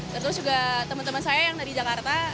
terus juga teman teman saya yang dari jakarta